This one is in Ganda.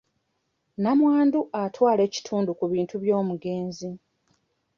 Nnamwandu atwala ekitundu ku bintu by'omugenzi.